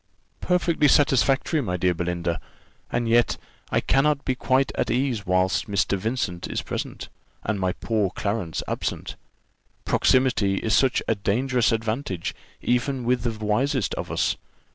"Perfectly satisfactory, my dear Belinda; and yet I cannot be quite at ease whilst Mr. Vincent is present, and my poor Clarence absent: proximity is such a dangerous advantage even with the wisest of us.